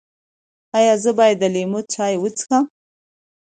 ایا زه باید د لیمو چای وڅښم؟